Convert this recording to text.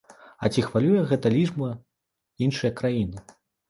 А ці хвалюе гэта лічба іншыя краіны?